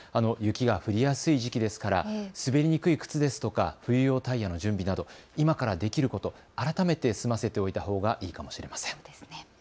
雪が降りやすい時期ですから滑りにくい靴ですとか冬用タイヤの準備など、今からできること、改めて済ませておいたほうがいいかもしれません。